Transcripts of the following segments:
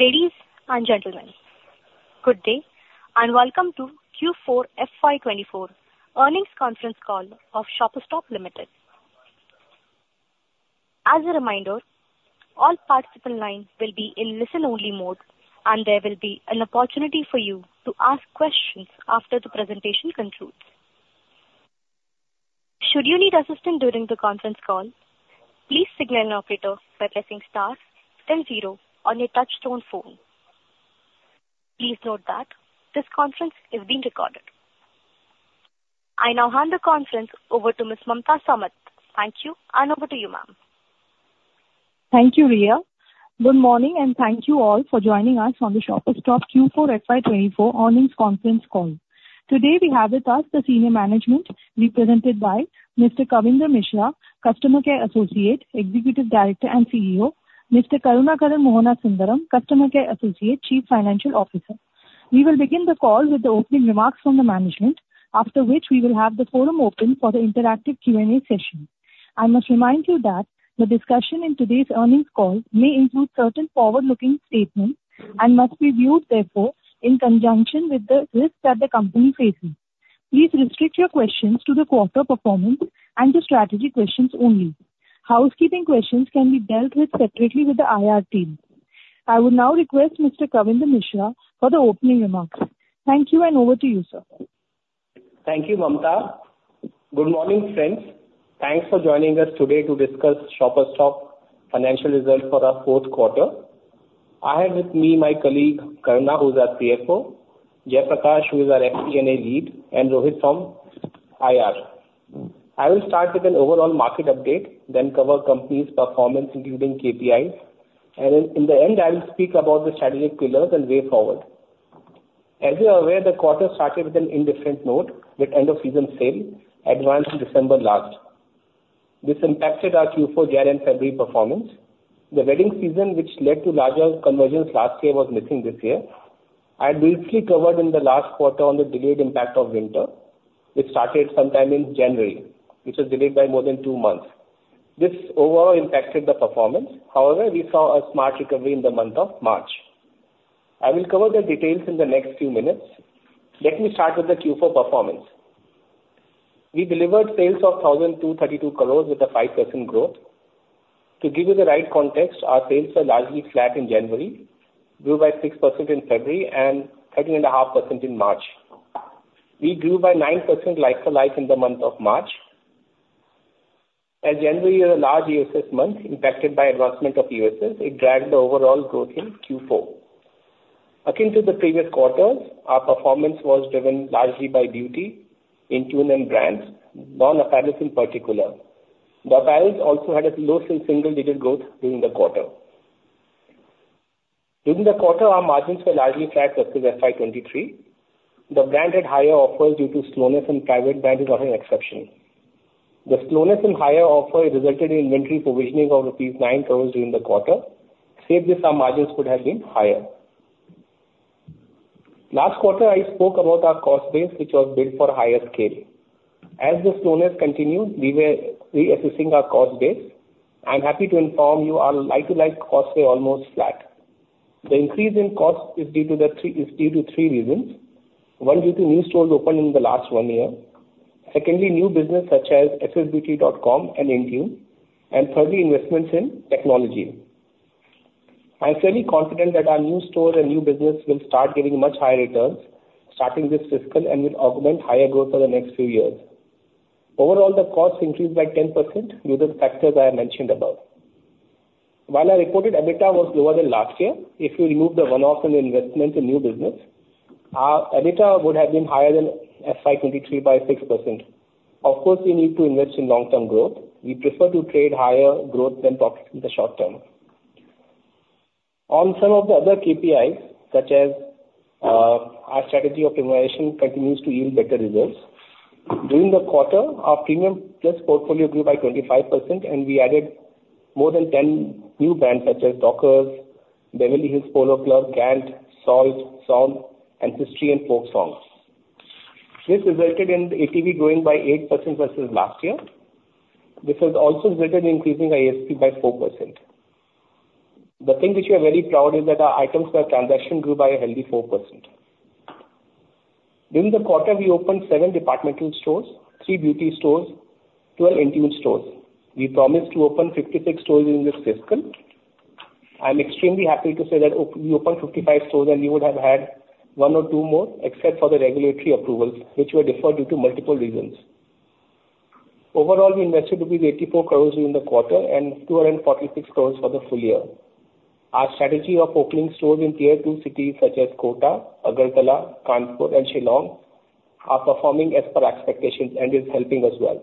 Ladies and gentlemen, good day, and welcome to Q4 FY 2024 earnings conference call of Shoppers Stop Limited. As a reminder, all participant lines will be in listen-only mode, and there will be an opportunity for you to ask questions after the presentation concludes. Should you need assistance during the conference call, please signal an operator by pressing star then zero on your touchtone phone. Please note that this conference is being recorded. I now hand the conference over to Ms. Mamta Samat. Thank you, and over to you, ma'am. Thank you, Riya. Good morning, and thank you all for joining us on the Shoppers Stop Q4 FY24 earnings conference call. Today, we have with us the senior management represented by Mr. Kavindra Mishra, Managing Director and CEO; Mr. Karunakaran Mohanasundaram, Chief Financial Officer. We will begin the call with the opening remarks from the management, after which we will have the forum open for the interactive Q&A session. I must remind you that the discussion in today's earnings call may include certain forward-looking statements and must be viewed therefore in conjunction with the risks that the company faces. Please restrict your questions to the quarter performance and the strategy questions only. Housekeeping questions can be dealt with separately with the IR team. I would now request Mr. Kavindra Mishra for the opening remarks. Thank you, and over to you, sir. Thank you, Mamta. Good morning, friends. Thanks for joining us today to discuss Shoppers Stop financial results for our fourth quarter. I have with me my colleague, Karunakaran, who's our CFO, Jaiprakash, who is our FP&A lead, and Rohit from IR. I will start with an overall market update, then cover company's performance, including KPIs, and then in the end, I will speak about the strategic pillars and way forward. As you are aware, the quarter started with an indifferent note, with end of season sale advanced to December last. This impacted our Q4 January and February performance. The wedding season, which led to larger conversions last year, was missing this year. I had briefly covered in the last quarter on the delayed impact of winter, which started sometime in January, which was delayed by more than two months. This overall impacted the performance. However, we saw a smart recovery in the month of March. I will cover the details in the next few minutes. Let me start with the Q4 performance. We delivered sales of 1,232 crore with 5% growth. To give you the right context, our sales were largely flat in January, grew by 6% in February, and 30.5% in March. We grew by 9% like-to-like in the month of March. As January is a large year assessment impacted by advancement of years, it dragged the overall growth in Q4. Akin to the previous quarters, our performance was driven largely by beauty, INTUNE and brands, non-apparel in particular. The apparel also had a low single-digit growth during the quarter. During the quarter, our margins were largely flat versus FY 2023. The brand had higher offers due to slowness, and private brand is not an exception. The slowness in higher offer resulted in inventory provisioning of rupees 9 crore during the quarter. Save this, our margins could have been higher. Last quarter, I spoke about our cost base, which was built for higher scale. As the slowness continued, we were reassessing our cost base. I'm happy to inform you our like-to-like costs were almost flat. The increase in cost is due to three reasons: One, due to new stores opened in the last one year; secondly, new business such as ssbeauty.in and INTUNE, and thirdly, investments in technology. I'm fairly confident that our new store and new business will start giving much higher returns, starting this fiscal and will augment higher growth for the next few years. Overall, the cost increased by 10% due to the factors I have mentioned above. While our reported EBITDA was lower than last year, if we remove the one-off and investment in new business, our EBITDA would have been higher than FY 2023 by 6%. Of course, we need to invest in long-term growth. We prefer to create higher growth than profit in the short term. On some of the other KPIs, such as, our strategy optimization continues to yield better results. During the quarter, our premium plus portfolio grew by 25%, and we added more than 10 new brands, such as Dockers, Beverly Hills Polo Club, GANT, Salt, Song, and History and Folk Songs. This resulted in the APV growing by 8% versus last year, which has also resulted in increasing our ASP by 4%. The thing which we are very proud is that our items per transaction grew by a healthy 4%. During the quarter, we opened seven departmental stores, three beauty stores, 12 INTUNE stores. We promised to open 56 stores during this fiscal. I'm extremely happy to say that we opened 55 stores, and we would have had one or two more except for the regulatory approvals, which were deferred due to multiple reasons. Overall, we invested rupees 84 crores during the quarter and 246 crores for the full-year. Our strategy of opening stores in tier two cities, such as Kota, Agartala, Kanpur, and Shillong, are performing as per expectations and is helping as well.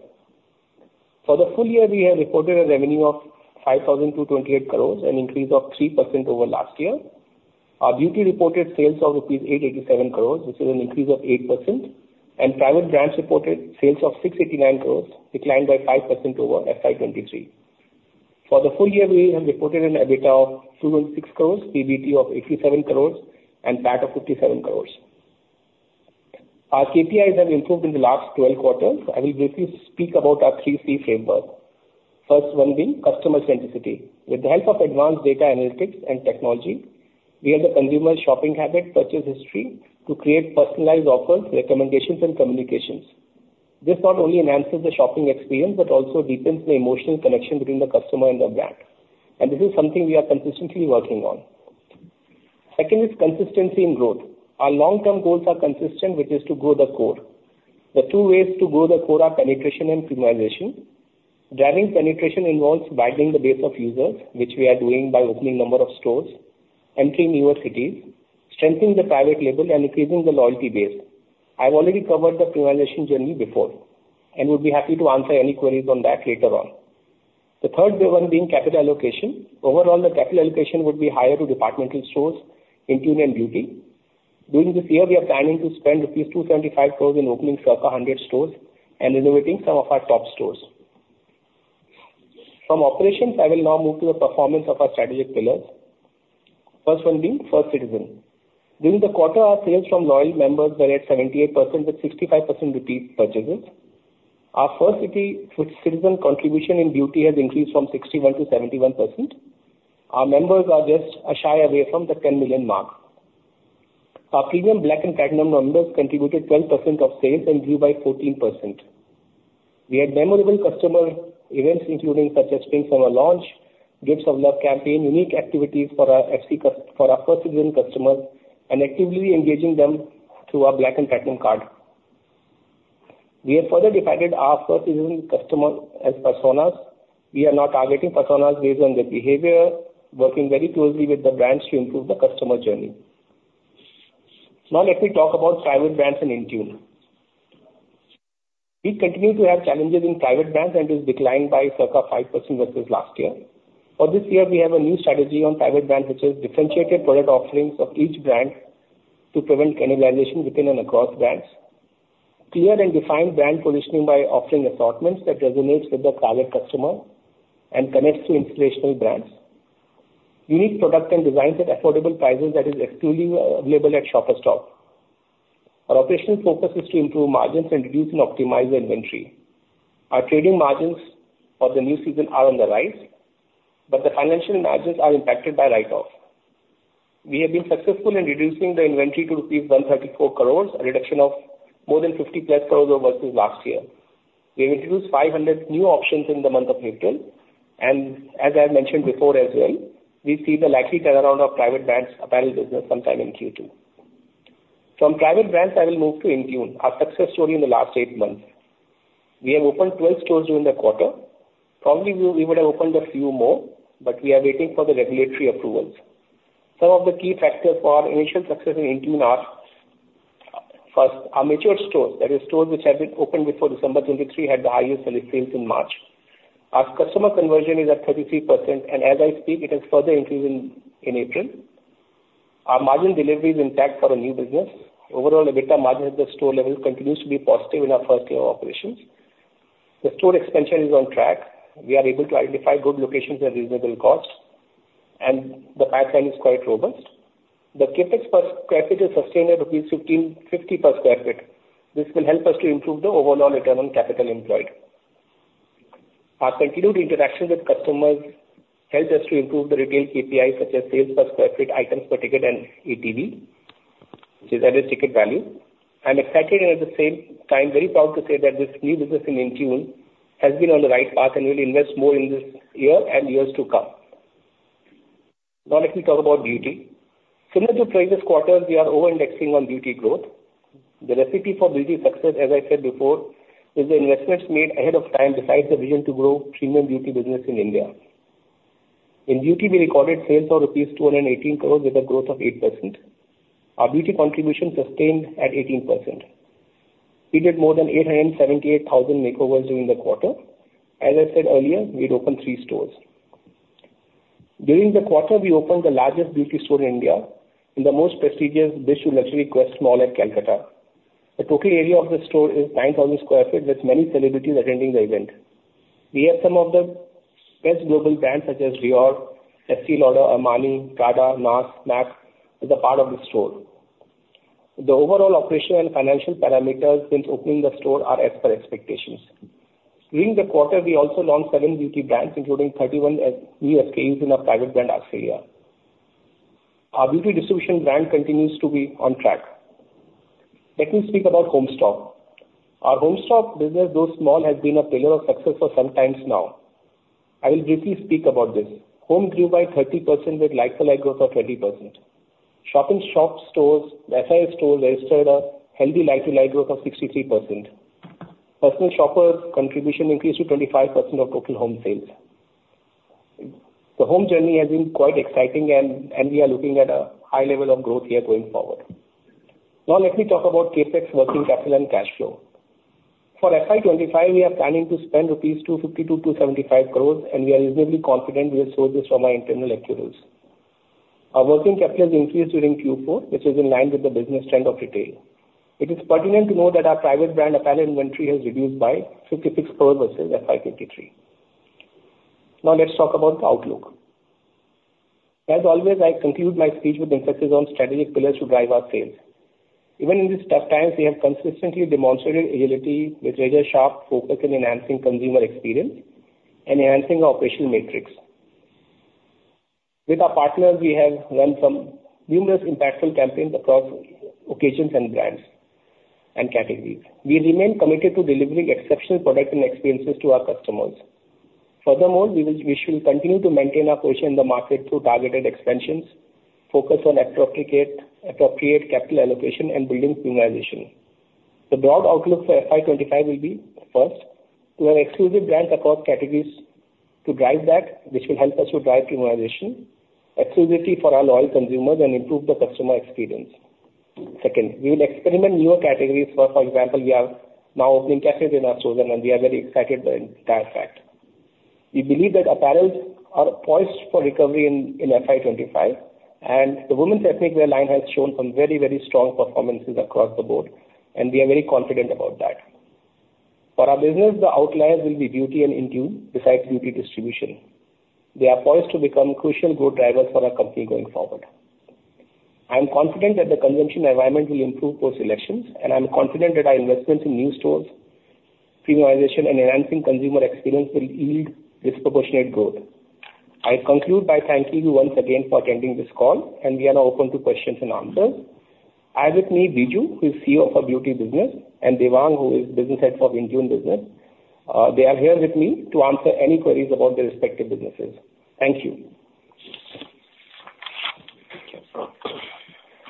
For the full-year, we have reported a revenue of 5,228 crores, an increase of 3% over last year. Our beauty reported sales of rupees 887 crores, which is an increase of 8%, and private brands reported sales of 689 crores, declined by 5% over FY 2023. For the full-year, we have reported an EBITDA of 206 crores, PBT of 87 crores, and PAT of 57 crores. Our KPIs have improved in the last 12 quarters. I will briefly speak about our three C framework. First one being customer centricity. With the help of advanced data analytics and technology, we have the consumer shopping habit, purchase history, to create personalized offers, recommendations, and communications. This not only enhances the shopping experience, but also deepens the emotional connection between the customer and the brand, and this is something we are consistently working on. Second is consistency in growth. Our long-term goals are consistent, which is to grow the core. The two ways to grow the core are penetration and premiumization. Driving penetration involves widening the base of users, which we are doing by opening number of stores, entering newer cities, strengthening the private label, and increasing the loyalty base. I've already covered the premiumization journey before, and would be happy to answer any queries on that later on. The third one being capital allocation. Overall, the capital allocation would be higher to department stores, INTUNE, and beauty. During this year, we are planning to spend 275 crore in opening circa 100 stores and renovating some of our top stores. From operations, I will now move to the performance of our strategic pillars. First one being First Citizen. During the quarter, our sales from loyal members were at 78%, with 65% repeat purchases. Our First Citizen contribution in beauty has increased from 61%-71%. Our members are just a shy away from the 10 million mark. Our premium black and platinum members contributed 12% of sales and grew by 14%. We had memorable customer events including Suchar Spring Summer launch, Gifts of Love campaign, unique activities for our First Citizen customers, and actively engaging them through our black and platinum card. We have further divided our First Citizen customer as personas. We are now targeting personas based on their behavior, working very closely with the brands to improve the customer journey. Now, let me talk about private brands and INTUNE. We continue to have challenges in private brands, and it has declined by circa 5% versus last year. For this year, we have a new strategy on private brands, which is differentiated product offerings of each brand to prevent cannibalization within and across brands. Clear and defined brand positioning by offering assortments that resonates with the target customer and connects to inspirational brands. Unique product and designs at affordable prices that is exclusively available at Shoppers Stop. Our operational focus is to improve margins and reduce and optimize the inventory. Our trading margins for the new season are on the rise, but the financial margins are impacted by write-off. We have been successful in reducing the inventory to rupees 134 crores, a reduction of more than 50+ crores over versus last year. We introduced 500 new options in the month of April, and as I have mentioned before as well, we see the likely turnaround of private brands apparel business sometime in Q2. From private brands, I will move to INTUNE, our success story in the last eight months. We have opened 12 stores during the quarter. Probably, we would have opened a few more, but we are waiting for the regulatory approvals. Some of the key factors for our initial success in INTUNE are, first, our mature stores, that is, stores which have been opened before December 2023, had the highest sales in March. Our customer conversion is at 33%, and as I speak, it has further increased in April. Our margin delivery is intact for our new business. Overall, EBITDA margin at the store level continues to be positive in our first year of operations. The store expansion is on track. We are able to identify good locations at reasonable costs, and the pipeline is quite robust. The CapEx per sq ft is sustainable, rupees 1,550 per sq ft. This will help us to improve the overall return on capital employed. Our continued interaction with customers helps us to improve the retail KPIs, such as sales per sq ft, items per ticket, and ATV, which is average ticket value. I'm excited and at the same time very proud to say that this new business in INTUNE has been on the right path, and we'll invest more in this year and years to come. Now, let me talk about beauty. Similar to previous quarters, we are over-indexing on beauty growth. The recipe for beauty success, as I said before, is the investments made ahead of time, besides the vision to grow premium beauty business in India. In beauty, we recorded sales for 218 crore rupees with a growth of 8%. Our beauty contribution sustained at 18%. We did more than 878,000 makeovers during the quarter. As I said earlier, we'd opened three stores. During the quarter, we opened the largest beauty store in India, in the most prestigious Quest Mall at Kolkata. The total area of the store is 9,000 sq ft, with many celebrities attending the event. We have some of the best global brands, such as Dior, Estée Lauder, Armani, Prada, NARS, M.A.C, as a part of the store. The overall operational and financial parameters since opening the store are as per expectations. During the quarter, we also launched seven beauty brands, including 31 SKUs in our private brand, Aaseya. Our beauty distribution brand continues to be on track. Let me speak about HomeStop. Our HomeStop business, though small, has been a pillar of success for some time now. I will briefly speak about this. Home grew by 30% with like-to-like growth of 20%. Shoppers Stop stores, SS stores, registered a healthy like-to-like growth of 63%. Personal shoppers' contribution increased to 25% of total home sales. The home journey has been quite exciting, and we are looking at a high level of growth here going forward. Now, let me talk about CapEx, working capital, and cash flow. For FY 2025, we are planning to spend 250-275 crores rupees, and we are reasonably confident we will source this from our internal accruals. Our working capital has increased during Q4, which is in line with the business trend of retail. It is pertinent to note that our private brand apparel inventory has reduced by 66% versus FY 2023. Now, let's talk about the outlook. As always, I conclude my speech with emphasis on strategic pillars to drive our sales. Even in these tough times, we have consistently demonstrated agility with razor-sharp focus in enhancing consumer experience and enhancing operational metrics. With our partners, we have run some numerous impactful campaigns across occasions and brands and categories. We remain committed to delivering exceptional product and experiences to our customers. Furthermore, we shall continue to maintain our position in the market through targeted expansions, focus on appropriate capital allocation, and building premiumization. The broad outlook for FY 2025 will be, first, to have exclusive brands across categories to drive that, which will help us to drive premiumization, exclusivity for our loyal consumers and improve the customer experience. Second, we will experiment newer categories. For example, we are now opening cafes in our stores, and we are very excited by that fact. We believe that apparels are poised for recovery in FY 2025, and the women's ethnic wear line has shown some very, very strong performances across the board, and we are very confident about that. For our business, the outliers will be beauty and INTUNE, besides beauty distribution. They are poised to become crucial growth drivers for our company going forward. I am confident that the consumption environment will improve post-elections, and I'm confident that our investments in new stores, premiumization, and enhancing consumer experience will yield disproportionate growth. I conclude by thanking you once again for attending this call, and we are now open to questions and answers. I have with me Biju, who is CEO of our beauty business, and Devang, who is business head for INTUNE business. They are here with me to answer any queries about their respective businesses. Thank you.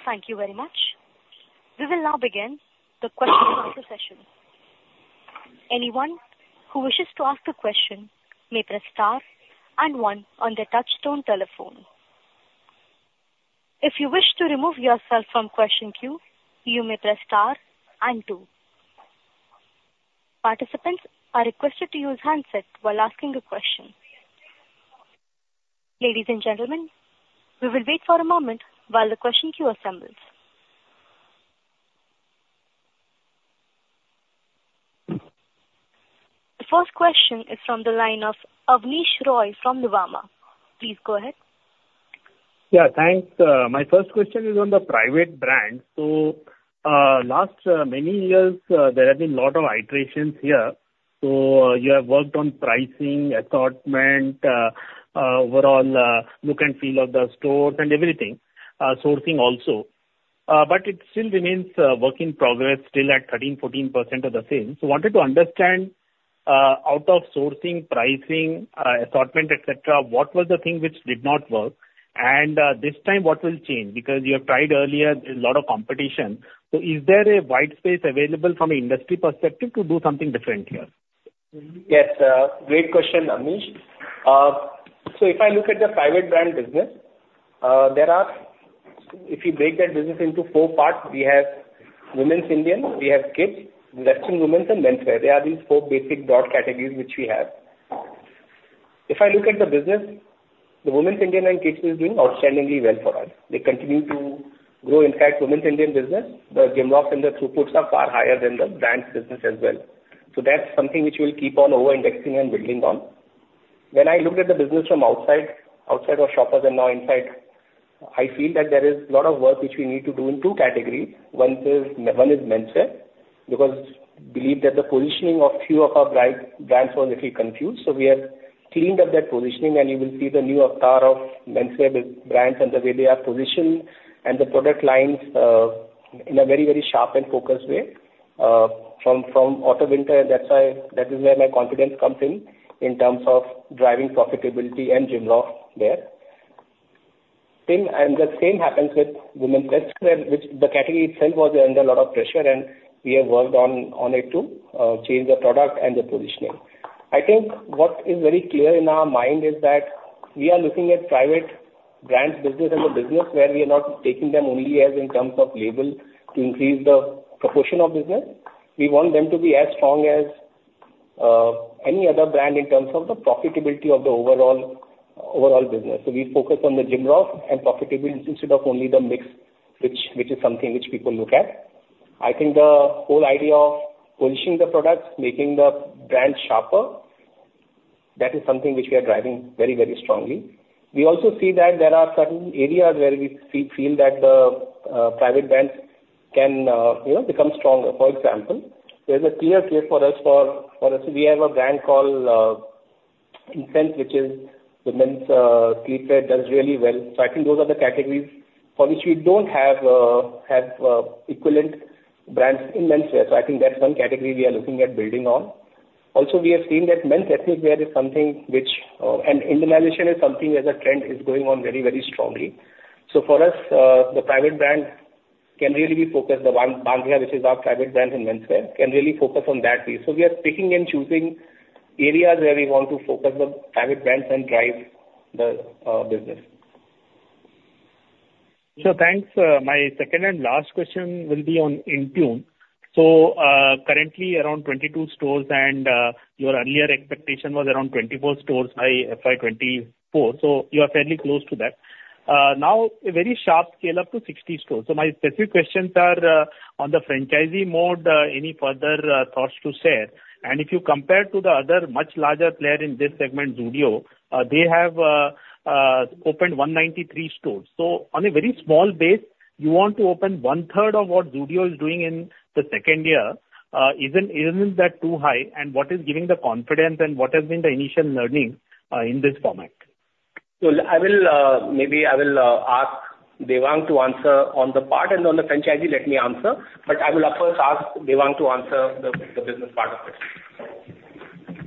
Thank you very much. We will now begin the question answer session. Anyone who wishes to ask a question may press star and one on their touchtone telephone. If you wish to remove yourself from question queue, you may press star and two. Participants are requested to use handset while asking a question. Ladies and gentlemen, we will wait for a moment while the question queue assembles. The first question is from the line of Abneesh Roy from Nuvama. Please go ahead. Yeah, thanks. My first question is on the private brand. So, last many years, there have been a lot of iterations here. So you have worked on pricing, assortment, overall, look and feel of the stores and everything, sourcing also. But it still remains, work in progress, still at 13%-14% of the sales. So wanted to understand, out of sourcing, pricing, assortment, et cetera, what was the thing which did not work? And, this time, what will change? Because you have tried earlier, there's a lot of competition. So is there a wide space available from an industry perspective to do something different here? Yes, great question, Abneesh. So if I look at the private brand business, there are, If you break that business into four parts, we have women's Indian, we have kids, western women's, and menswear. They are these four basic broad categories which we have. If I look at the business, the women's Indian and kids is doing outstandingly well for us. They continue to grow. In fact, women's Indian business, the GMROCs and the throughputs are far higher than the brands business as well. So that's something which we'll keep on over indexing and building on. When I looked at the business from outside, outside of Shoppers and now inside, I feel that there is a lot of work which we need to do in two categories. One is menswear, because we believe that the positioning of few of our brands was little confused, so we have cleaned up that positioning, and you will see the new avatar of menswear brands and the way they are positioned and the product lines in a very, very sharp and focused way from autumn winter. That's why, that is where my confidence comes in, in terms of driving profitability and GMROC there. Same, and the same happens with women's wear, which the category itself was under a lot of pressure, and we have worked on it to change the product and the positioning. I think what is very clear in our mind is that we are looking at private brands business as a business where we are not taking them only as in terms of label to increase the proportion of business. We want them to be as strong as any other brand in terms of the profitability of the overall, overall business. So we focus on the GMROC and profitability instead of only the mix, which is something which people look at. I think the whole idea of positioning the products, making the brands sharper, that is something which we are driving very, very strongly. We also see that there are certain areas where we feel that the private brands can, you know, become stronger. For example, there's a clear case for us, for us, we have a brand called INTUNE, which is the men's sleepwear, does really well. So I think those are the categories for which we don't have equivalent brands in menswear. So I think that's one category we are looking at building on. Also, we have seen that men's ethnic wear is something which, and indigenization is something as a trend is going on very, very strongly. So for us, the private brand can really be focused. The one, Bandeya, which is our private brand in menswear, can really focus on that piece. So we are picking and choosing areas where we want to focus the private brands and drive the business. So thanks. My second and last question will be on INTUNE. So, currently around 22 stores and, your earlier expectation was around 24 stores by FY 2024, so you are fairly close to that. Now a very sharp scale up to 60 stores. So my specific questions are, on the franchisee mode, any further thoughts to share? And if you compare to the other much larger player in this segment, Zudio, they have opened 193 stores. So on a very small base, you want to open one third of what Zudio is doing in the second year. Isn't that too high? And what is giving the confidence, and what has been the initial learning in this format? So I will, maybe I will, ask Devang to answer on the part and on the franchisee, let me answer, but I will first ask Devang to answer the business part of it.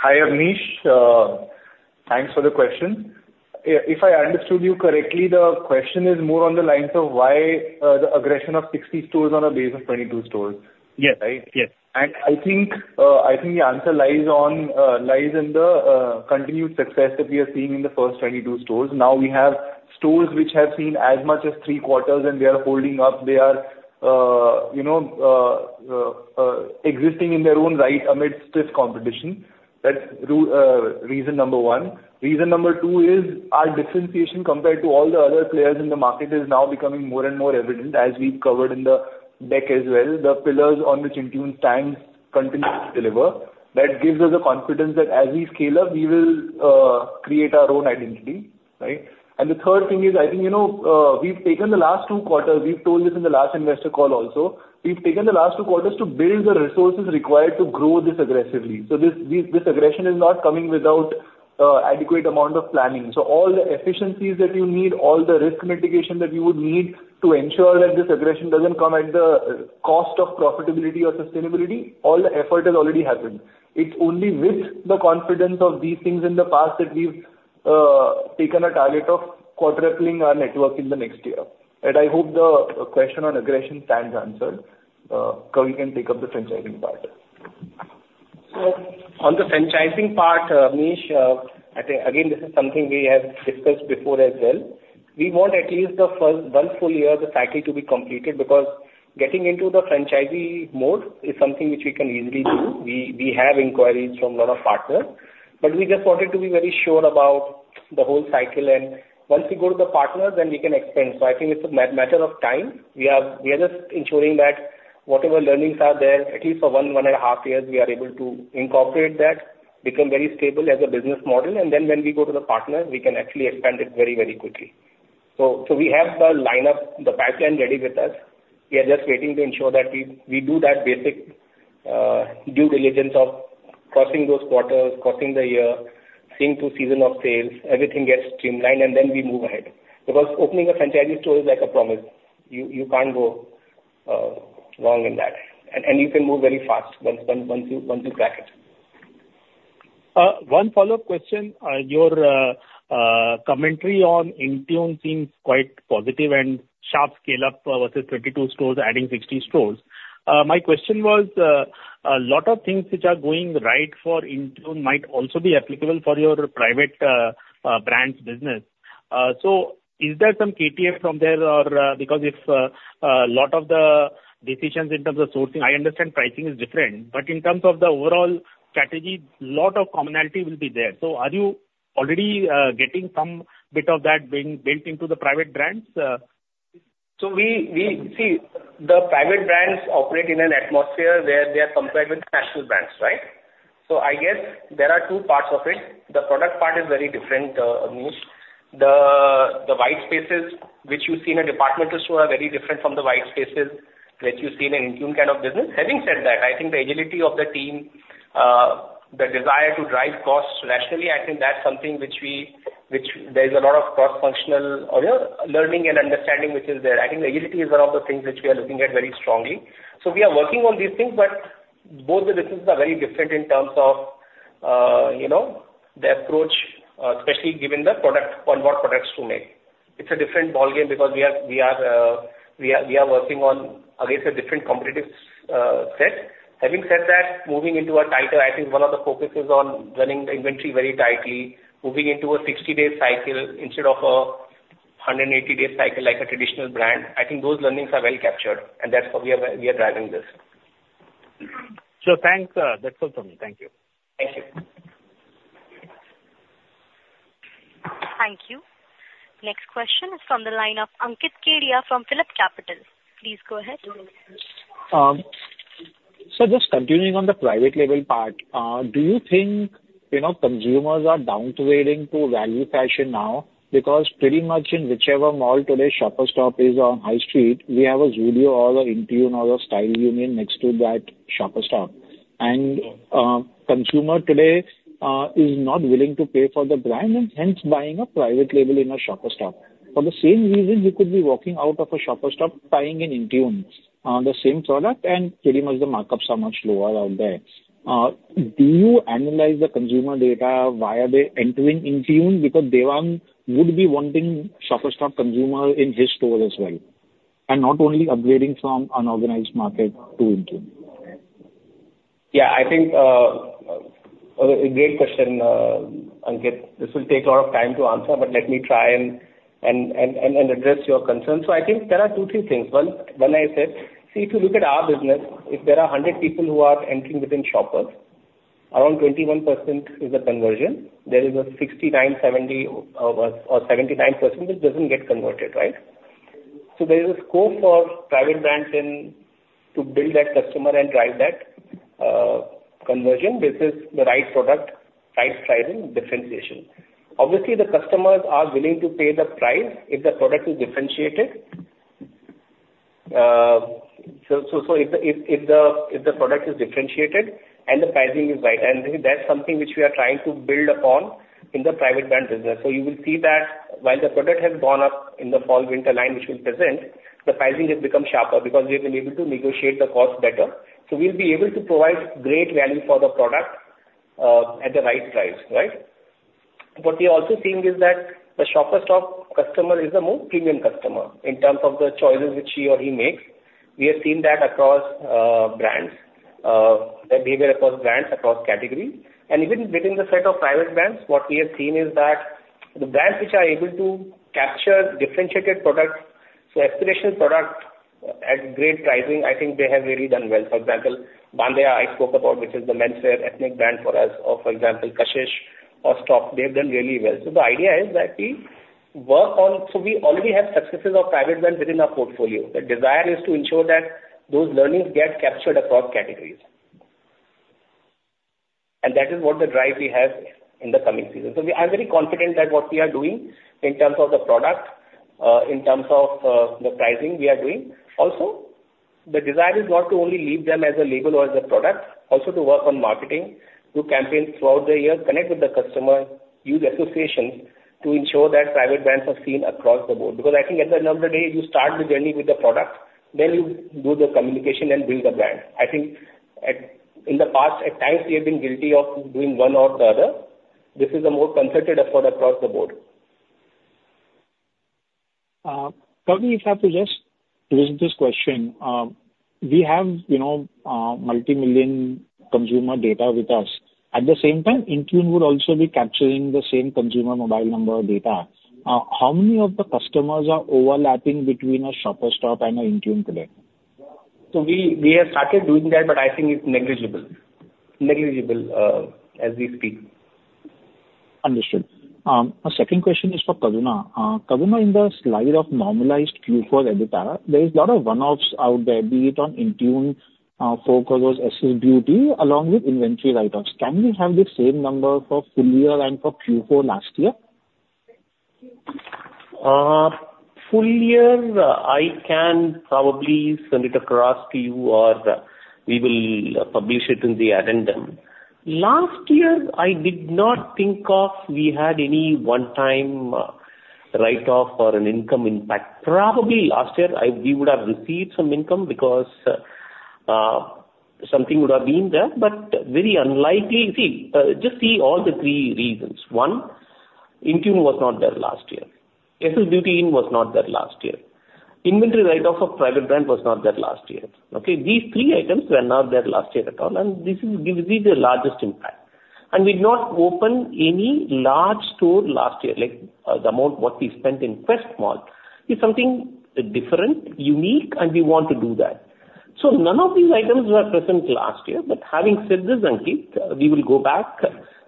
Hi, Abneesh. Thanks for the question. If I understood you correctly, the question is more on the lines of why the aggression of 60 stores on a base of 22 stores. Yes. Right? Yes. I think, I think the answer lies in the continued success that we are seeing in the first 22 stores. Now we have stores which have seen as much as three quarters, and they are holding up. They are, you know, existing in their own right amidst stiff competition. That's reason number one. Reason number two is our differentiation compared to all the other players in the market, is now becoming more and more evident as we've covered in the deck as well. The pillars on which INTUNE stands continue to deliver. That gives us the confidence that as we scale up, we will create our own identity, right? And the third thing is, I think, you know, we've taken the last two quarters, we've told this in the last investor call also, we've taken the last two quarters to build the resources required to grow this aggressively. So this, this, this aggression is not coming without adequate amount of planning. So all the efficiencies that you need, all the risk mitigation that you would need to ensure that this aggression doesn't come at the cost of profitability or sustainability, all the effort has already happened. It's only with the confidence of these things in the past that we've taken a target of quadrupling our network in the next year. And I hope the question on aggression stands answered. Kavin can pick up the franchising part. So on the franchising part, Abneesh, I think again, this is something we have discussed before as well. We want at least the first one full-year of the cycle to be completed, because getting into the franchisee mode is something which we can easily do. We, we have inquiries from a lot of partners, but we just wanted to be very sure about the whole cycle, and once we go to the partners, then we can expand. So I think it's a matter of time. We are, we are just ensuring that whatever learnings are there, at least for one and a half years, we are able to incorporate that, become very stable as a business model, and then when we go to the partners, we can actually expand it very, very quickly. So, so we have the line up, the pipeline ready with us. We are just waiting to ensure that we do that basic due diligence of crossing those quarters, crossing the year, seeing through season of sales, everything gets streamlined, and then we move ahead. Because opening a franchisee store is like a promise. You can't go wrong in that. And you can move very fast once you crack it. One follow-up question. Your commentary on INTUNE seems quite positive, and sharp scale up versus 22 stores, adding 60 stores. My question was, a lot of things which are going right for INTUNE might also be applicable for your private brands business. So is there some KTA from there? Or, because if a lot of the decisions in terms of sourcing, I understand pricing is different, but in terms of the overall strategy, lot of commonality will be there. So are you already getting some bit of that being built into the private brands? So we... See, the private brands operate in an atmosphere where they are compared with national brands, right? So I guess there are two parts of it. The product part is very different, Abneesh. The white spaces which you see in a departmental store are very different from the white spaces that you see in an INTUNE kind of business. Having said that, I think the agility of the team, the desire to drive costs rationally, I think that's something which we, which there is a lot of cross-functional or, you know, learning and understanding, which is there. I think agility is one of the things which we are looking at very strongly. So we are working on these things, but both the businesses are very different in terms of, you know, the approach, especially given the product, on what products to make. It's a different ballgame because we are working on, again, a different competitive set. Having said that, moving into a tighter, I think one of the focuses on running the inventory very tightly, moving into a 60-day cycle instead of a 180-day cycle, like a traditional brand, I think those learnings are well captured, and that's how we are driving this. So thanks. That's all from me. Thank you. Thank you. Thank you. Next question is from the line of Ankit Kedia from Phillip Capital. Please go ahead. So just continuing on the private label part, do you think, you know, consumers are downgrading to value fashion now? Because pretty much in whichever mall today, Shoppers Stop is on high street, we have a Zudio or a INTUNE or a Stylevan next to that Shoppers Stop. And consumer today is not willing to pay for the brand and hence buying a private label in a Shoppers Stop. For the same reason, you could be walking out of a Shoppers Stop, buying in INTUNE, the same product, and pretty much the markups are much lower out there. Do you analyze the consumer data, why are they entering INTUNE? Because Devang would be wanting Shoppers Stop consumer in his store as well, and not only upgrading from unorganized market to INTUNE. Yeah, I think a great question, Ankit. This will take a lot of time to answer, but let me try and address your concerns. So I think there are two, three things. One, I said, see, if you look at our business, if there are 100 people who are entering within Shoppers, around 21% is the conversion. There is a 69%, 70%, or 79% which doesn't get converted, right? So there is a scope for private brands in to build that customer and drive that conversion. This is the right product, right pricing, differentiation. Obviously, the customers are willing to pay the price if the product is differentiated. So, if the product is differentiated and the pricing is right, and that's something which we are trying to build upon in the private brand business. So you will see that while the product has gone up in the fall/winter line which we'll present, the pricing has become sharper because we've been able to negotiate the cost better. So we'll be able to provide great value for the product, at the right price, right? What we are also seeing is that the Shoppers Stop customer is a more premium customer in terms of the choices which he or she makes. We have seen that across brands, the behavior across brands, across categories. And even within the set of private brands, what we have seen is that the brands which are able to capture differentiated products, so aspirational product at great pricing, I think they have really done well. For example, Bandeya, I spoke about, which is the menswear ethnic brand for us, or for example, Kashish or STOP, they've done really well. So the idea is that we work on. So we already have successes of private brand within our portfolio. The desire is to ensure that those learnings get captured across categories. And that is what the drive we have in the coming season. So we, I'm very confident that what we are doing in terms of the product, in terms of, the pricing we are doing. Also, the desire is not to only leave them as a label or as a product, also to work on marketing, do campaigns throughout the year, connect with the customer, use associations to ensure that private brands are seen across the board. Because I think at the end of the day, you start the journey with the product, then you do the communication and build the brand. I think at, in the past, at times we have been guilty of doing one or the other. This is a more concerted effort across the board. Maybe if I could just raise this question. We have, you know, multimillion consumer data with us. At the same time, INTUNE would also be capturing the same consumer mobile number data. How many of the customers are overlapping between a Shoppers Stop and a INTUNE today? So we have started doing that, but I think it's negligible. Negligible, as we speak. Understood. My second question is for Karuna. Karuna, in the slide of normalized Q4 EBITDA, there is a lot of one-offs out there, be it on INTUNE, Focus or SS Beauty, along with inventory write-offs. Can we have the same number for full-year and for Q4 last year? full-year, I can probably send it across to you, or we will publish it in the addendum. Last year, I did not think of we had any one-time, write-off or an income impact. Probably last year, we would have received some income because, something would have been there, but very unlikely. See, just see all the three reasons. One, INTUNE was not there last year. SS Beauty in was not there last year. Inventory write-off of private brand was not there last year. Okay? These three items were not there last year at all, and this is, gives me the largest impact. And we've not opened any large store last year, like, the amount what we spent in Quest Mall is something different, unique, and we want to do that. So none of these items were present last year. But having said this, Ankit, we will go back,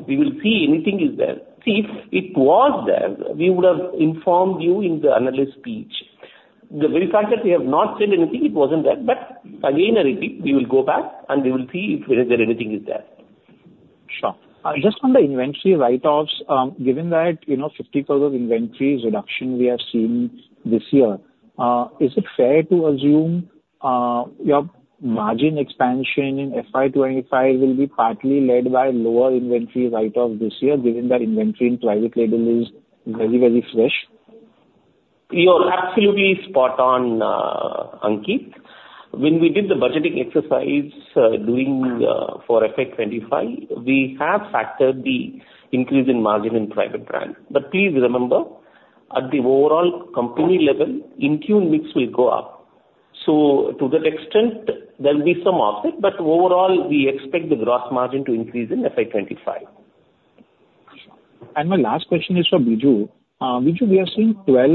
we will see anything is there. See, if it was there, we would have informed you in the analyst speech. The very fact that we have not said anything, it wasn't there. But again, I repeat, we will go back and we will see if there anything is there. Sure. Just on the inventory write-offs, given that, you know, 50% of inventory reduction we have seen this year, is it fair to assume, your margin expansion in FY 2025 will be partly led by lower inventory write-off this year, given that inventory in private label is very, very fresh? You're absolutely spot on, Ankit. When we did the budgeting exercise for FY 2025, we have factored the increase in margin in private brand. But please remember, at the overall company level, INTUNE mix will go up. So to that extent, there will be some offset, but overall, we expect the gross margin to increase in FY 25. My last question is for Biju. Biju, we are seeing 12,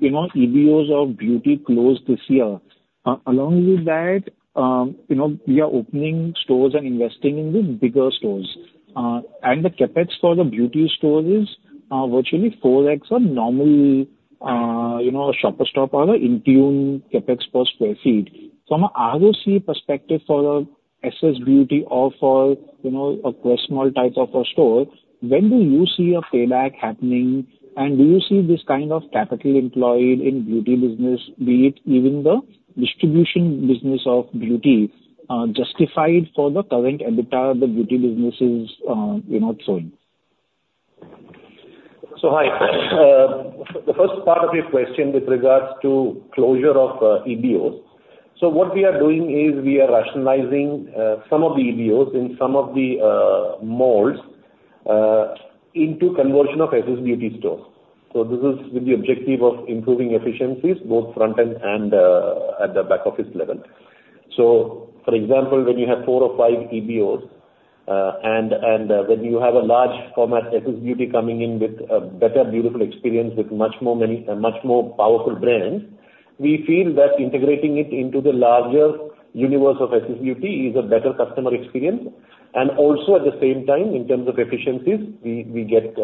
you know, EBOs of beauty close this year. Along with that, you know, we are opening stores and investing in the bigger stores, and the CapEx for the beauty stores is virtually 4x or normal, you know, a Shoppers Stop or an INTUNE CapEx per sq ft. From a ROC perspective for a SS Beauty or for, you know, a personal type of a store, when do you see a payback happening? And do you see this kind of capital employed in beauty business, be it even the distribution business of beauty, you know, showing? So, hi. The first part of your question with regards to closure of EBOs. So what we are doing is we are rationalizing some of the EBOs in some of the malls. into conversion of SS Beauty stores. So this is with the objective of improving efficiencies, both front-end and, at the back office level. So, for example, when you have four or five EBOs, and, when you have a large format SS Beauty coming in with a better beautiful experience with much more many, much more powerful brands, we feel that integrating it into the larger universe of SS Beauty is a better customer experience, and also at the same time, in terms of efficiencies, we, we get,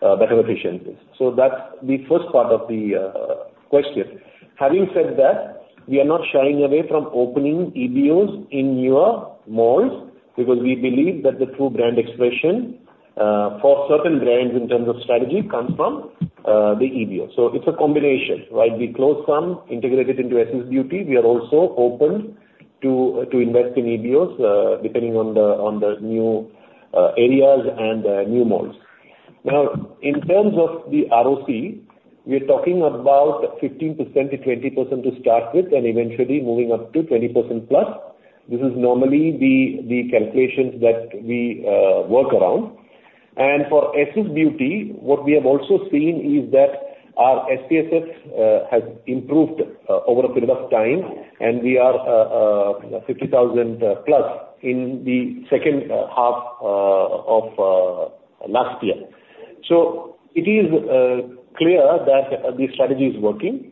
better efficiencies. So that's the first part of the, question. Having said that, we are not shying away from opening EBOs in newer malls, because we believe that the true brand expression, for certain brands in terms of strategy, comes from, the EBO. So it's a combination, right? We close some, integrate it into SS Beauty, we are also open to invest in EBOs, depending on the new areas and new malls. Now, in terms of the ROC, we're talking about 15%-20% to start with, and eventually moving up to 20%+. This is normally the calculations that we work around. For SS Beauty, what we have also seen is that our SPSF has improved over a period of time, and we are 50,000+ in the second half of last year. So it is clear that this strategy is working,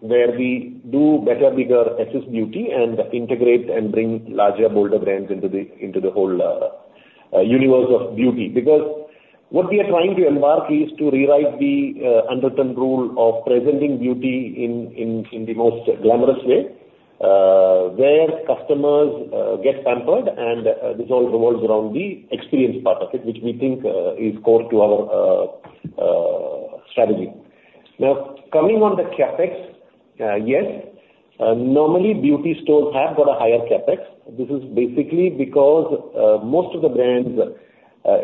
where we do better, bigger SS Beauty and integrate and bring larger, bolder brands into the whole universe of beauty. Because what we are trying to embark is to rewrite the unwritten rule of presenting beauty in the most glamorous way, where customers get pampered, and this all revolves around the experience part of it, which we think is core to our strategy. Now, coming on the CapEx, yes, normally beauty stores have got a higher CapEx. This is basically because most of the brands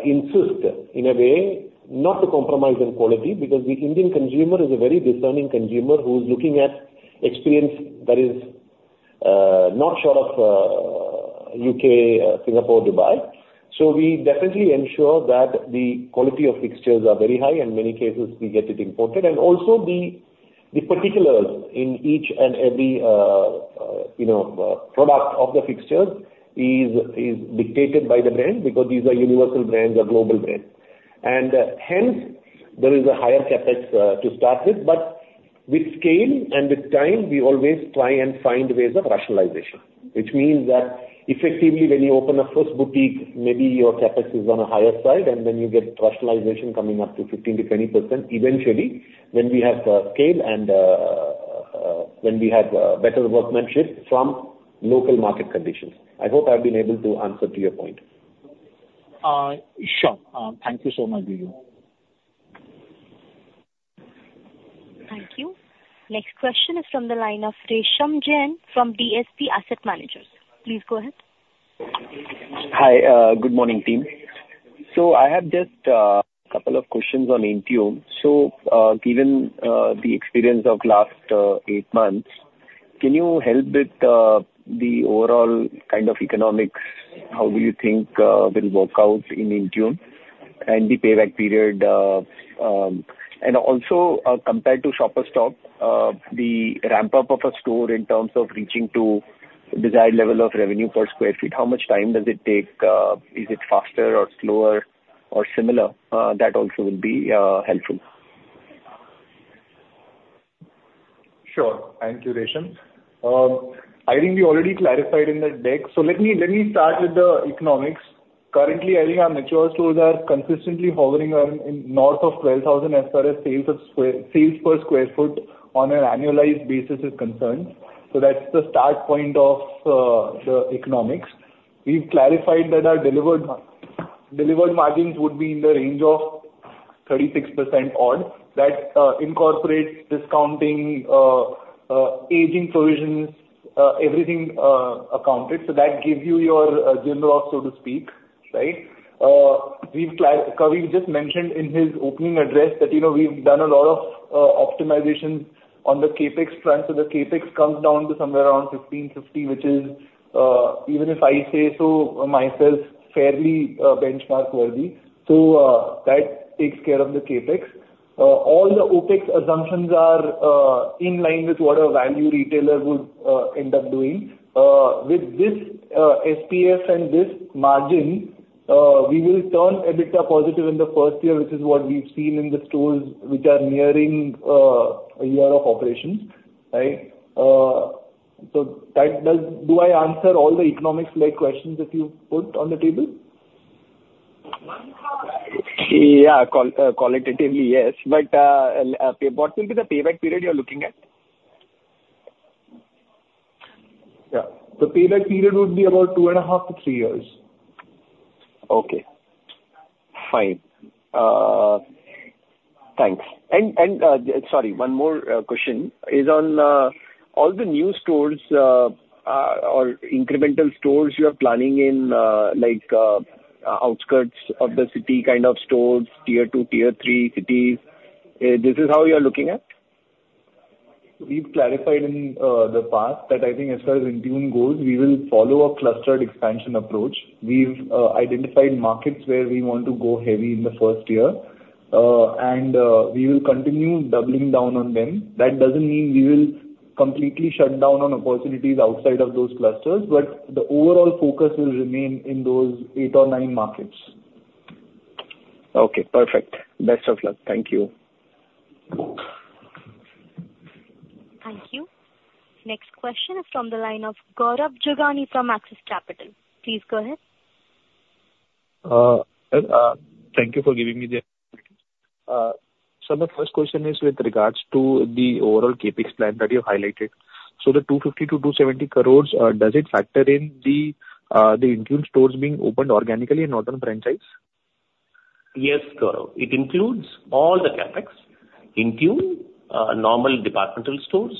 insist, in a way, not to compromise on quality, because the Indian consumer is a very discerning consumer, who's looking at experience that is not short of UK, Singapore, Dubai. So we definitely ensure that the quality of fixtures are very high, in many cases we get it imported. And also the particulars in each and every, you know, product of the fixtures is dictated by the brand, because these are universal brands or global brands. And hence, there is a higher CapEx to start with, but with scale and with time, we always try and find ways of rationalization. Which means that effectively, when you open a first boutique, maybe your CapEx is on a higher side, and then you get rationalization coming up to 15%-20% eventually, when we have scale and when we have better workmanship from local market conditions. I hope I've been able to answer to your point. Sure. Thank you so much, Biju. Thank you. Next question is from the line of Resham Jain from DSP Asset Managers. Please go ahead. Hi, good morning, team. I have just a couple of questions on INTUNE. Given the experience of last eight months, can you help with the overall kind of economics? How do you think will work out in INTUNE and the payback period? Also, compared to Shoppers Stop, the ramp-up of a store in terms of reaching to desired level of revenue per square feet, how much time does it take? Is it faster, or slower, or similar? That also would be helpful. Sure. Thank you, Resham. I think we already clarified in the deck. So let me, let me start with the economics. Currently, I think our mature stores are consistently hovering around in north of 12,000 as far as sales per sq ft on an annualized basis is concerned, so that's the start point of the economics. We've clarified that our delivered, delivered margins would be in the range of 36% odd. That incorporates discounting, aging provisions, everything accounted, so that gives you your general, so to speak, right? Kavee just mentioned in his opening address that, you know, we've done a lot of optimization on the CapEx front. So the CapEx comes down to somewhere around 15-50, which is, even if I say so myself, fairly benchmark worthy. So, that takes care of the CapEx. All the OpEx assumptions are in line with what a value retailer would end up doing. With this, SPS and this margin, we will turn EBITDA positive in the first year, which is what we've seen in the stores which are nearing a year of operations, right? So that, does, Do I answer all the economics-led questions that you put on the table? Yeah, qualitatively, yes. But, what will be the payback period you're looking at? Yeah. The payback period would be about two and a half to three years. Okay. Fine. Thanks. Sorry, one more question is on all the new stores or incremental stores you are planning in, like, outskirts of the city kind of stores, tier two, tier three cities. This is how you're looking at? ... We've clarified in the past that I think as far as INTUNE goes, we will follow a clustered expansion approach. We've identified markets where we want to go heavy in the first year, and we will continue doubling down on them. That doesn't mean we will completely shut down on opportunities outside of those clusters, but the overall focus will remain in those eight or nine markets. Okay, perfect. Best of luck. Thank you. Thank you. Next question is from the line of Gaurav Jagani from Axis Capital. Please go ahead. So the first question is with regards to the overall CapEx plan that you have highlighted. So the 250 crore-270 crore, does it factor in the INTUNE stores being opened organically and not on franchise? Yes, Gaurav. It includes all the CapEx, INTUNE, normal departmental stores,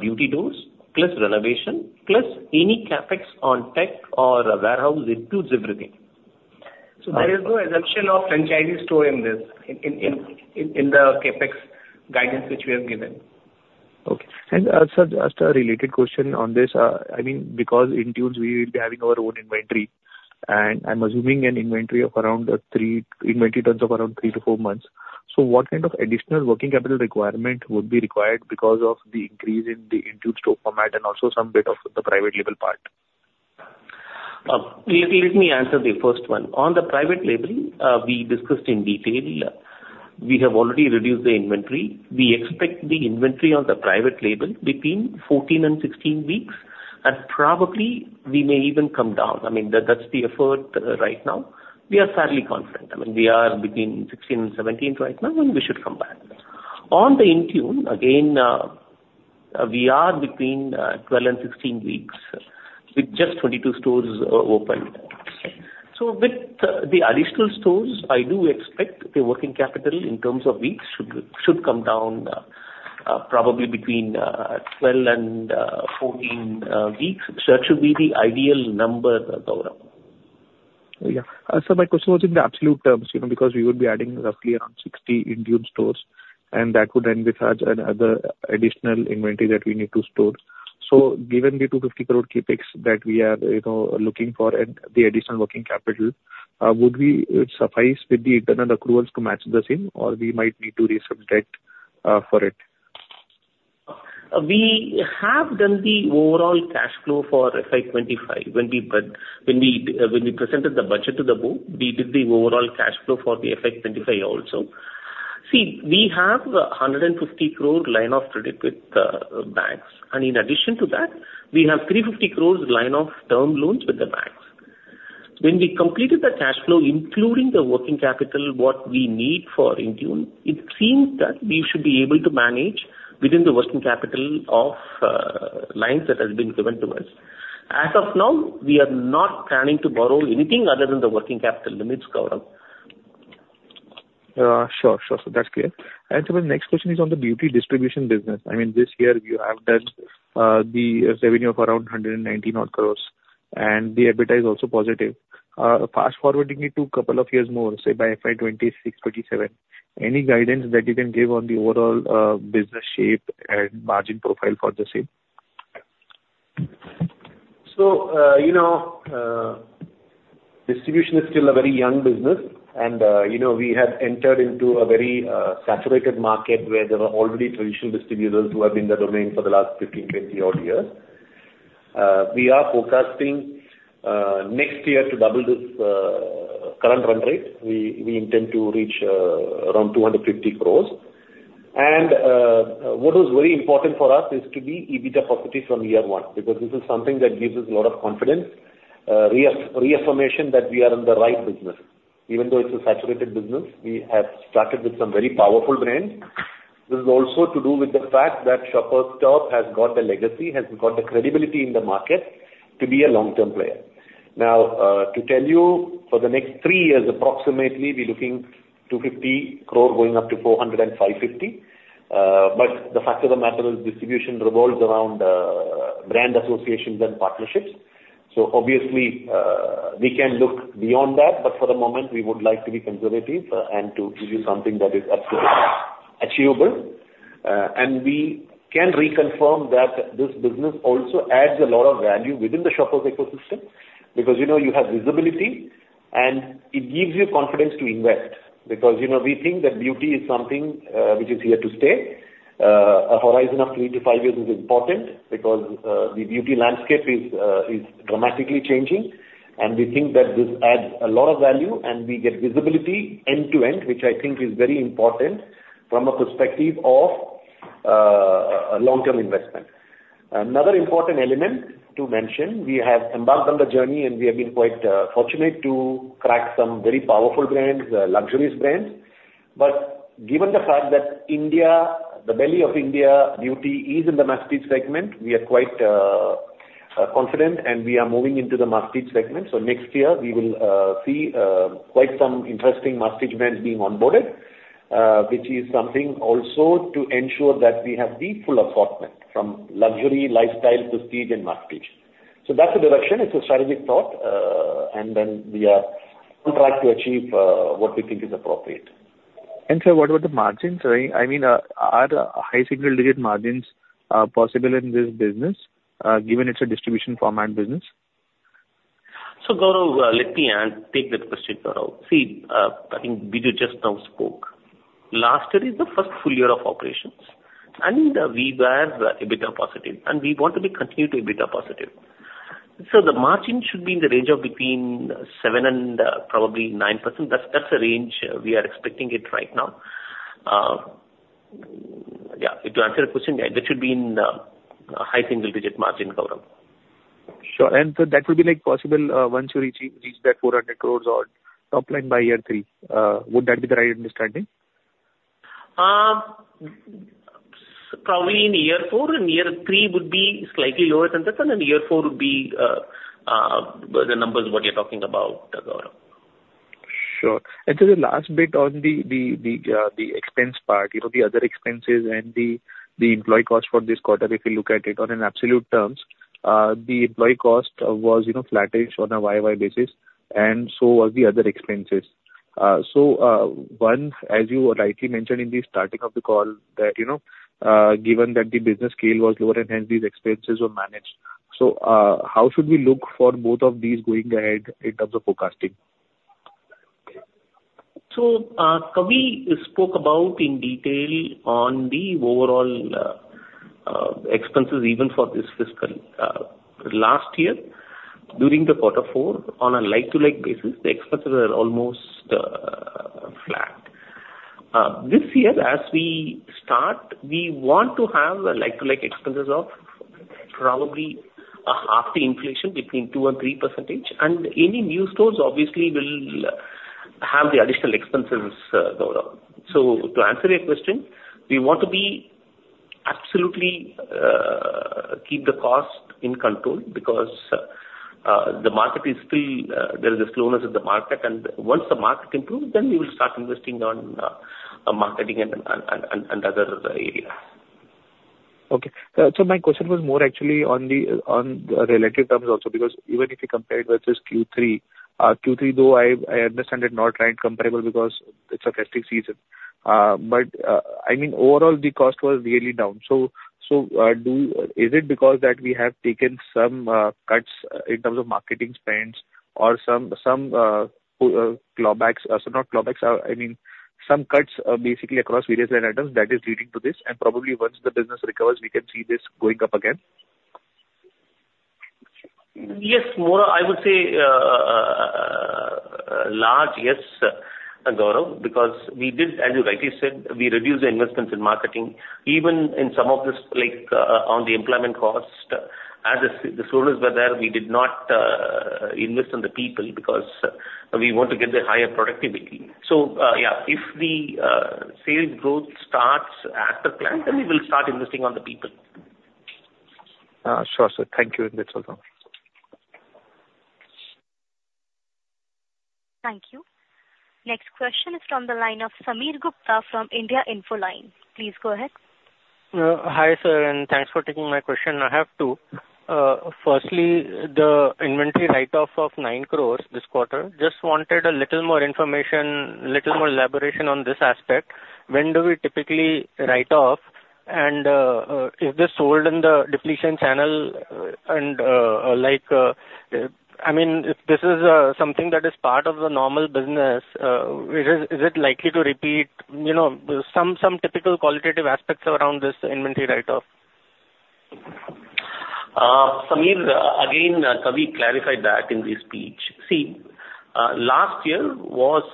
beauty stores, plus renovation, plus any CapEx on tech or warehouse. It includes everything. So there is no assumption of franchisee store in this, in the CapEx guidance which we have given. Okay. And, sir, just a related question on this. I mean, because INTUNE's, we will be having our own inventory, and I'm assuming an inventory of around three inventory turns of around three to four months. So what kind of additional working capital requirement would be required because of the increase in the INTUNE store format and also some bit of the private label part? Let me answer the first one. On the private label, we discussed in detail, we have already reduced the inventory. We expect the inventory on the private label between 14 and 16 weeks, and probably we may even come down. I mean, that's the effort, right now. We are fairly confident. I mean, we are between 16 and 17 right now, and we should come back. On the INTUNE, again, we are between 12 and 16 weeks with just 22 stores open. So with the additional stores, I do expect the working capital in terms of weeks should come down, probably between 12 and 14 weeks. So that should be the ideal number, Gaurav. Yeah. So my question was in the absolute terms, you know, because we would be adding roughly around 60 INTUNE stores, and that would then require another additional inventory that we need to store. So given the 250 crore CapEx that we are, you know, looking for and the additional working capital, would we suffice with the internal accruals to match the same, or we might need to raise some debt, for it? We have done the overall cash flow for FY 2025. When we, when we presented the budget to the board, we did the overall cash flow for the FY 2025 also. See, we have a 150 crore line of credit with the, banks, and in addition to that, we have 350 crores line of term loans with the banks. When we completed the cash flow, including the working capital, what we need for INTUNE, it seems that we should be able to manage within the working capital of, lines that has been given to us. As of now, we are not planning to borrow anything other than the working capital limits, Gaurav. Sure, sure. So that's clear. So my next question is on the beauty distribution business. I mean, this year you have done the revenue of around 190-odd crores, and the EBITDA is also positive. Fast forwarding it to couple of years more, say by FY 2026, 2027, any guidance that you can give on the overall business shape and margin profile for the same? So, you know, distribution is still a very young business, and, you know, we have entered into a very saturated market where there were already traditional distributors who have been in the domain for the last 15, 20 odd years. We are forecasting next year to double this current run rate. We intend to reach around 250 crore. And, what is very important for us is to be EBITDA positive from year one, because this is something that gives us a lot of confidence, reaffirmation that we are in the right business. Even though it's a saturated business, we have started with some very powerful brands. This is also to do with the fact that Shoppers Stop has got a legacy, has got the credibility in the market to be a long-term player. Now, to tell you for the next three years, approximately, we're looking 250 crore going up to 450 crore. But the fact of the matter is distribution revolves around, brand associations and partnerships. Obviously, we can look beyond that, but for the moment, we would like to be conservative and to give you something that is absolutely achievable. We can reconfirm that this business also adds a lot of value within the Shoppers' ecosystem, because, you know, you have visibility, and it gives you confidence to invest. Because, you know, we think that beauty is something, which is here to stay. A horizon of three to five years is important because the beauty landscape is dramatically changing, and we think that this adds a lot of value, and we get visibility end to end, which I think is very important from a perspective of a long-term investment. Another important element to mention, we have embarked on the journey, and we have been quite fortunate to crack some very powerful brands, luxurious brands. But given the fact that India, the belly of India beauty is in the mass prestige segment, we are quite confident, and we are moving into the mass prestige segment. So next year we will see quite some interesting mass prestige brands being onboarded, which is something also to ensure that we have the full assortment from luxury, lifestyle to prestige and mass prestige. That's the direction. It's a strategic thought, and then we are- on track to achieve what we think is appropriate. Sir, what about the margins, right? I mean, are the high single-digit margins possible in this business, given it's a distribution format business? So Gaurav, let me take that question, Gaurav. See, I think Biju just now spoke. Last year is the first full-year of operations, and we were EBITDA positive, and we want to be continued to EBITDA positive. So the margin should be in the range of between 7% and probably 9%. That's, that's the range we are expecting it right now. Yeah, to answer your question, yeah, that should be in a high single digit margin, Gaurav. Sure. And so that will be, like, possible, once you reach that 400 crore top line by year three, would that be the right understanding? Probably in year four. In year three would be slightly lower than that, and in year four would be the numbers what you're talking about, Gaurav. Sure. And so the last bit on the expense part, you know, the other expenses and the employee cost for this quarter, if you look at it on an absolute terms, the employee cost was, you know, flattish on a YY basis, and so were the other expenses. So, as you rightly mentioned in the starting of the call, that, you know, given that the business scale was lower and hence these expenses were managed. So, how should we look for both of these going ahead in terms of forecasting? So, Kavi spoke about in detail on the overall expenses even for this fiscal. Last year, during quarter four, on a like-to-like basis, the expenses were almost flat. This year, as we start, we want to have a like-to-like expenses of probably half the inflation between 2%-3%, and any new stores obviously will have the additional expenses, Gaurav. So to answer your question, we want to be absolutely keep the cost in control because the market is still there is a slowness in the market, and once the market improves, then we will start investing on on marketing and other areas. Okay. So my question was more actually on the relative terms also, because even if you compare versus Q3, though I understand it's not right comparable because it's a festive season. But I mean, overall, the cost was really down. So, is it because that we have taken some cuts in terms of marketing spends or some pull clawbacks, so not clawbacks, I mean, some cuts basically across various line items that is leading to this, and probably once the business recovers, we can see this going up again? Yes, I would say large yes, Gaurav, because we did, as you rightly said, we reduced the investments in marketing. Even in some of this, like, on the employment cost, as the slowest were there, we did not invest in the people because we want to get the higher productivity. So, yeah, if the sales growth starts at the plan, then we will start investing on the people. Sure, sir. Thank you. That's all now. Thank you. Next question is from the line of Samir Gupta from India Infoline. Please go ahead. Hi, sir, and thanks for taking my question. I have two. Firstly, the inventory write-off of 9 crore this quarter, just wanted a little more information, little more elaboration on this aspect. When do we typically write off? And, is this sold in the depletion channel? And, like, I mean, if this is something that is part of the normal business, is it likely to repeat, you know, some typical qualitative aspects around this inventory write-off? Samir, again, Kavi clarified that in his speech. See, last year was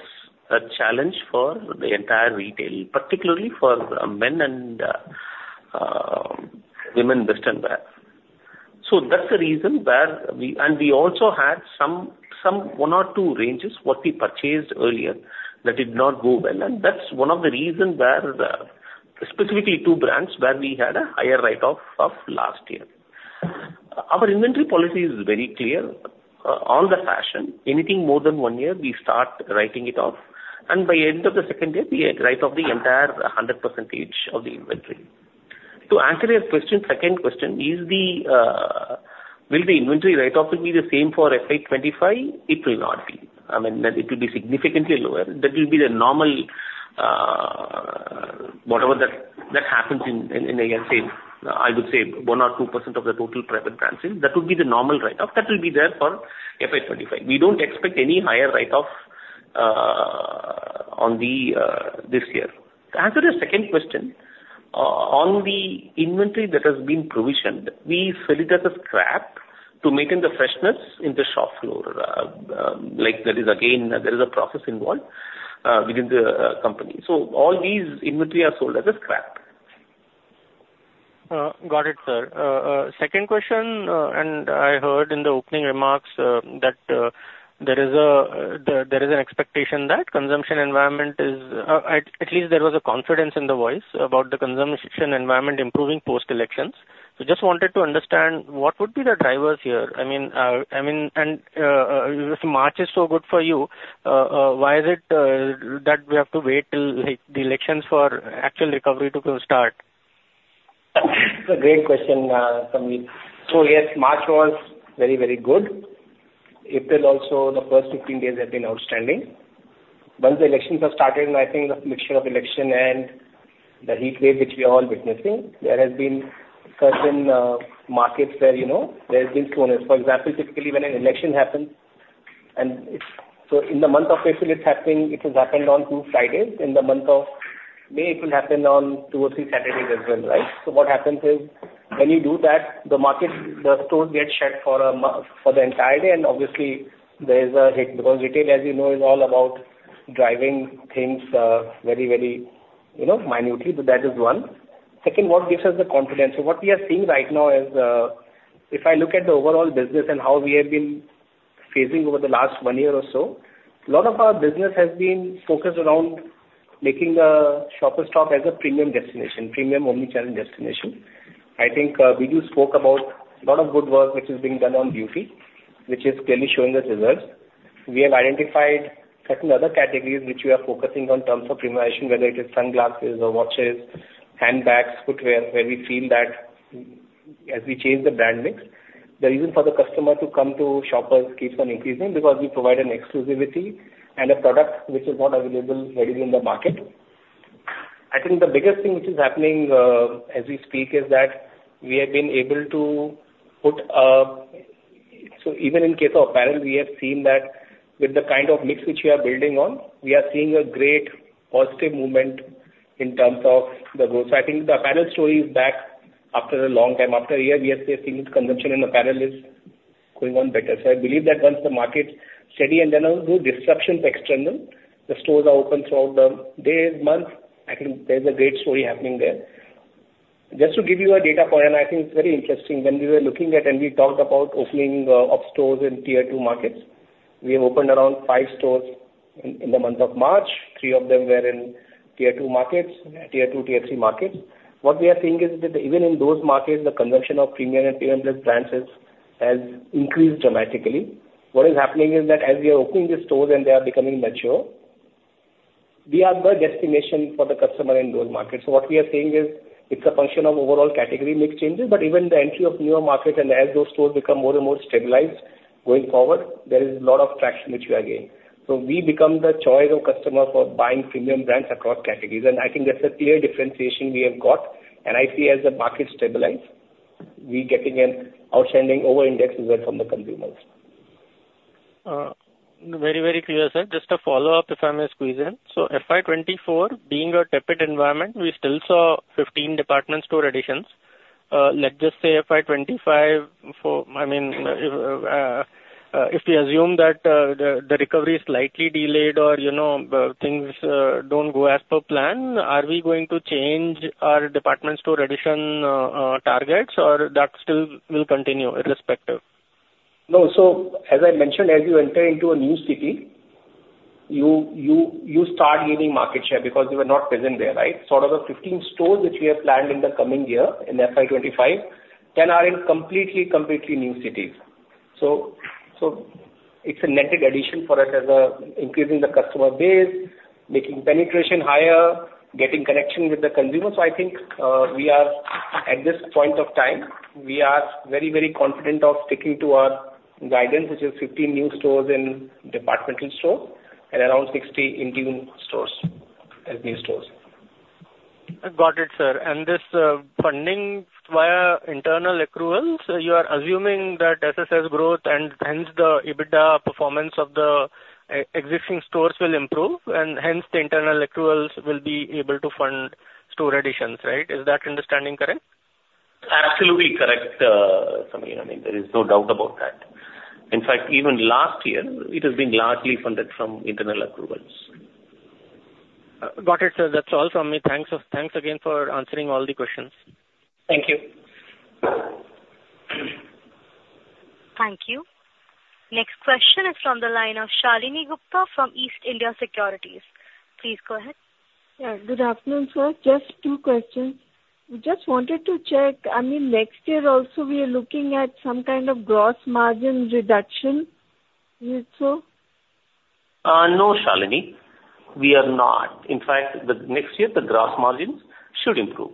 a challenge for the entire retail, particularly for men and women western wear. So that's the reason where we... And we also had some one or two ranges, what we purchased earlier, that did not go well. And that's one of the reason where, specifically two brands, where we had a higher write-off of last year. Our inventory policy is very clear. All the fashion, anything more than one year, we start writing it off, and by end of the second year, we write off the entire 100% of the inventory. To answer your question, second question, is the will the inventory write-off will be the same for FY 2025? It will not be. I mean, that it will be significantly lower. That will be the normal, whatever that, that happens in, in, I can say, I would say 1 or 2% of the total private brands in. That would be the normal write-off. That will be there for FY 2025. We don't expect any higher write-off, on this year. To answer your second question, on the inventory that has been provisioned, we sell it as a scrap to maintain the freshness in the shop floor. Like, there is again, there is a process involved, within the company. So all these inventory are sold as a scrap. Got it, sir. Second question, and I heard in the opening remarks that there is an expectation that consumption environment is, at least there was a confidence in the voice about the consumption environment improving post-elections. So just wanted to understand what would be the drivers here? I mean, and if March is so good for you, why is it that we have to wait till, like, the elections for actual recovery to start? It's a great question from you. So yes, March was very, very good. April also, the first 15 days have been outstanding. Once the elections have started, I think the mixture of election and the heat wave which we are all witnessing, there has been certain markets where, you know, there has been slowness. For example, typically, when an election happens, and it's so in the month of April it's happening, it has happened on two Fridays. In the month of May, it will happen on two or three Saturdays as well, right? So what happens is, when you do that, the market, the stores get shut for a month, for the entire day, and obviously there is a hit, because retail, as you know, is all about driving things very, very, you know, minutely. But that is one. Second, what gives us the confidence? So what we are seeing right now is, if I look at the overall business and how we have been phasing over the last one year or so, a lot of our business has been focused around making the Shoppers Stop as a premium destination, premium omni-channel destination. I think, Biju spoke about a lot of good work which is being done on beauty, which is clearly showing us results. We have identified certain other categories which we are focusing on terms of premiumization, whether it is sunglasses or watches, handbags, footwear, where we feel that as we change the brand mix, the reason for the customer to come to Shoppers keeps on increasing, because we provide an exclusivity and a product which is not available readily in the market. I think the biggest thing which is happening, as we speak, is that we have been able to put, So even in case of apparel, we have seen that with the kind of mix which we are building on, we are seeing a great positive movement in terms of the growth. So I think the apparel story is back after a long time. After a year, we are seeing consumption in apparel is going on better. So I believe that once the market steady and then also disruptions external, the stores are open throughout the day, month, I think there's a great story happening there. Just to give you a data point, and I think it's very interesting, when we were looking at and we talked about opening of stores in tier two markets. We have opened around five stores in the month of March. Three of them were in tier two markets, tier two, tier three markets. What we are seeing is that even in those markets, the consumption of premium and premium plus brands has, has increased dramatically. What is happening is that as we are opening the stores and they are becoming mature, we are the destination for the customer in those markets. So what we are saying is, it's a function of overall category mix changes, but even the entry of newer markets and as those stores become more and more stabilized going forward, there is a lot of traction which we are gaining. So we become the choice of customer for buying premium brands across categories, and I think that's a clear differentiation we have got. I see as the market stabilize, we getting an outstanding over-index result from the consumers. Very, very clear, sir. Just a follow-up, if I may squeeze in. So FY 2024, being a tepid environment, we still saw 15 department store additions. Let's just say FY 2025 for, I mean, if we assume that, the recovery is slightly delayed or, you know, things don't go as per plan, are we going to change our department store addition targets, or that still will continue irrespective? No. So as I mentioned, as you enter into a new city, you start gaining market share because you were not present there, right? So out of the 15 stores which we have planned in the coming year, in FY 2025, 10 are in completely new cities. So it's a net addition for us as increasing the customer base, making penetration higher, getting connection with the consumer. So I think we are at this point of time very, very confident of sticking to our guidance, which is 15 new stores in departmental stores and around 60 INTUNE stores as new stores. I got it, sir. This funding via internal accruals, you are assuming that SSS growth and hence the EBITDA performance of the existing stores will improve, and hence the internal accruals will be able to fund store additions, right? Is that understanding correct? Absolutely correct, Samir. I mean, there is no doubt about that. In fact, even last year, it has been largely funded from internal accruals. Got it, sir. That's all from me. Thanks, thanks again for answering all the questions. Thank you. Thank you. Next question is from the line of Shalini Gupta from East India Securities. Please go ahead. Yeah, good afternoon, sir. Just two questions. Just wanted to check, I mean, next year also we are looking at some kind of gross margin reduction. Is it so? No, Shalini, we are not. In fact, the next year, the gross margins should improve.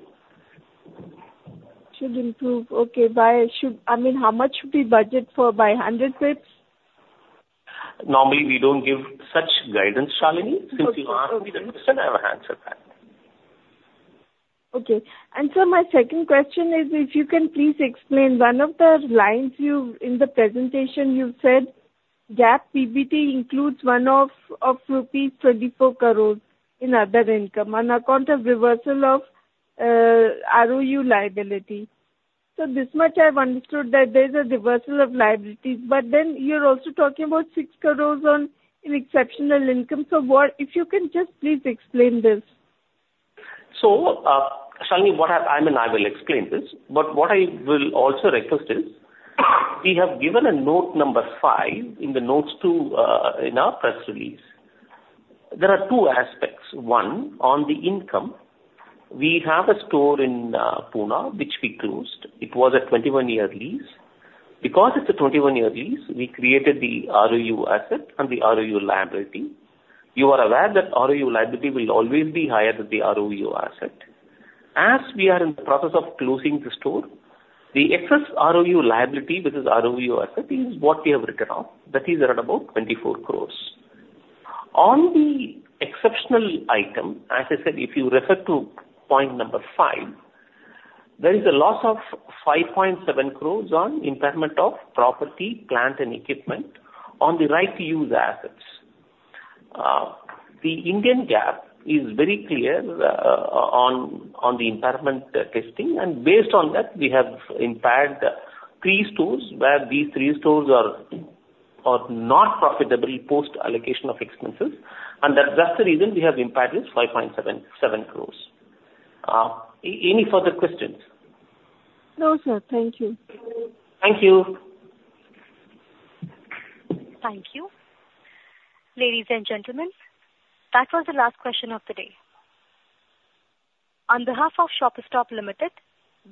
Should improve. Okay, I mean, how much should we budget for by 100 basis points? Normally, we don't give such guidance, Shalini. Okay. Since you ask me, then I have to answer that. Okay. Sir, my second question is, if you can please explain, one of the lines you, in the presentation you said, "GAAP PBT includes one-off of rupees 24 crores in other income on account of reversal of ROU liability." So this much I've understood, that there's a reversal of liabilities, but then you're also talking about 6 crores on, in exceptional income. So what - if you can just please explain this. So, Shalini, what I mean, I will explain this, but what I will also request is, we have given a note number five in the notes to, in our press release. There are two aspects. One, on the income, we have a store in Pune, which we closed. It was a 21-year lease. Because it's a 21-year lease, we created the ROU asset and the ROU liability. You are aware that ROU liability will always be higher than the ROU asset. As we are in the process of closing the store, the excess ROU liability versus ROU asset is what we have written off. That is around about 24 crores. On the exceptional item, as I said, if you refer to point number five, there is a loss of 5.7 crores on impairment of property, plant, and equipment on the right to use assets. The Indian GAAP is very clear, on the impairment testing, and based on that, we have impaired three stores, where these three stores are not profitable post allocation of expenses, and that's the reason we have impaired this 5.7 crores. Any further questions? No, sir. Thank you. Thank you. Thank you. Ladies and gentlemen, that was the last question of the day. On behalf of Shoppers Stop Limited,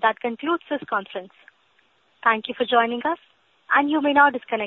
that concludes this conference. Thank you for joining us, and you may now disconnect your lines.